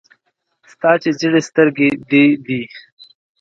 ستا چي ژېري سترګي دې دي .